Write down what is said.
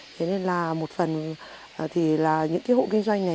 thế nên là một phần thì là những cái hộ kinh doanh này